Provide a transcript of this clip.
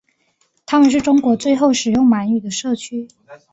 他们是中国最后使用满语的社区。